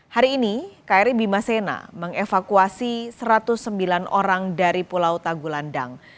hari ini kri bima sena mengevakuasi satu ratus sembilan orang dari pulau tagulandang